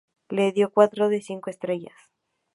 Le dio cuatro de cinco estrellas.